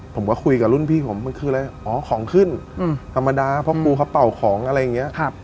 ผมก็คุยกับรุ่นพี่ผมมันคืออะไรอ๋อของขึ้นธรรมดาเพราะครูเขาเป่าของอะไรอย่างนี้